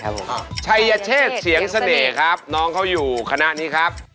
ชัยยเชศเชียงเสน่ห์น้องเขาอยู่คณะนี้